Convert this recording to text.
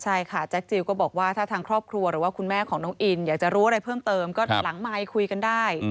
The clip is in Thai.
ใช่ค่ะแจ็คจิลก็บอกว่าถ้าทางครอบครัวหรือว่าคุณแม่ของน้องอินอยากจะรู้อะไรเพิ่มเติมก็หลังไมค์คุยกันได้